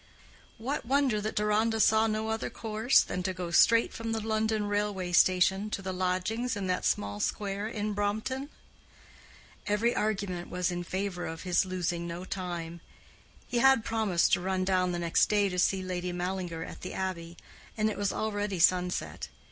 What wonder that Deronda saw no other course than to go straight from the London railway station to the lodgings in that small square in Brompton? Every argument was in favor of his losing no time. He had promised to run down the next day to see Lady Mallinger at the Abbey, and it was already sunset.